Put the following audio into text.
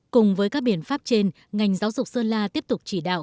cùng với các biện pháp trên ngành giáo dục sơn la tiếp tục chỉ đạo